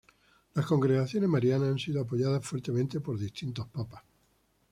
Las Congregaciones Marianas han sido apoyadas fuertemente por distintos Papas.